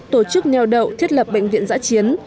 tổ chức neo đậu thiết lập bệnh viện giã chiến